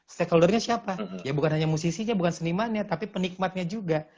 stakeholder nya siapa ya bukan hanya musisinya bukan senimanya tapi penikmatnya juga